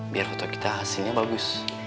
biar hutan kita hasilnya bagus